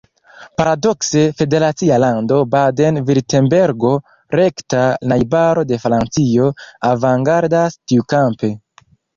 Paradokse, federacia lando Baden-Virtembergo, rekta najbaro de Francio, avangardas tiukampe.